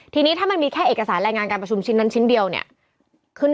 ทีนี้ถ้ามันมีแค่เอกสารรายงานการประชุมชิ้นนั้นชิ้นเดียวเนี่ยขึ้น